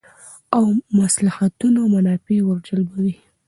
او مصلحتونه او منافع ور جلبوی